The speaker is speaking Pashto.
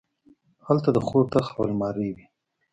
هلته د خوب تخت او المارۍ وې